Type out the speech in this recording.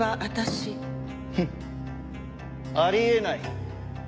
フンッあり得ない。